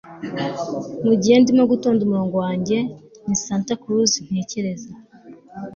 mugihe ndimo gutonda umurongo wanjye, ni santa claus ntekereza